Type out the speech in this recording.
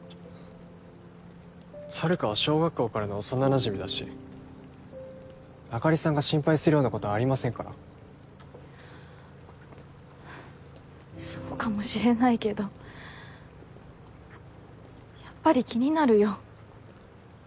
遥は小学校からの幼なじみだしあかりさんが心配するようなことはありませんからそうかもしれないけどやっぱり気になるよ